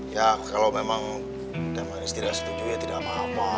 ya kalau memang demen istri saya setuju ya tidak apa apa